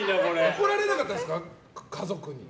怒られなかったですか、家族に。